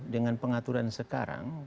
dengan pengaturan sekarang